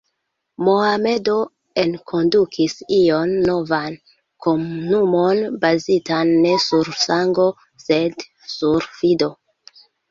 Mohamedo enkondukis ion novan: komunumon bazitan ne sur sango, sed sur fido.